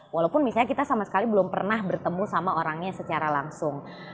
walaupun misalnya kita sama sekali belum pernah bertemu sama orangnya secara langsung